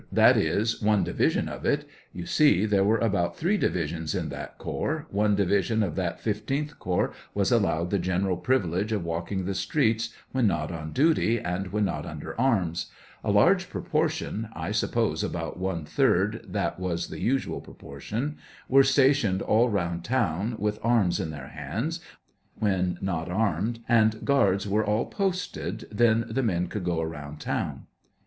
That is, one division of it. You see, there were about three divisions in that corps ; one division of that 15th corps was allowed the general privilege of walking the streets, when not on duty and when not under arms; a large proportion^ I suppose about one third, that was the usual proportion — were stationed all round town, with arms in their hands ; when not armed, and guards were all posted, then the men could go around town.